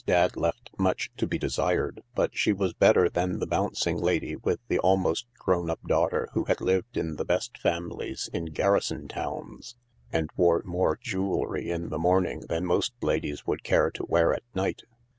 Dadd left much to be desired, but she was better than the bouncing lady with the almost grown up daughter who had lived in the best families in garrison towns and wore more jewellery in the morning than most ladies would care to wear at night.